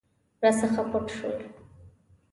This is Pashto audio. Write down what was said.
راڅخه پټ شول.